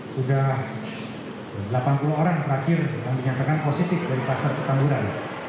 sudah delapan puluh orang terakhir yang dinyatakan positif dari pasar petamburan